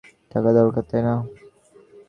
টাকা দরকার, তাই না?